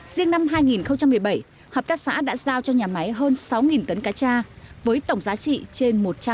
riêng năm hai nghìn một mươi bảy hợp tác xã đã giao cho nhà máy hơn sáu tấn cá cha với tổng giá trị trên một trăm linh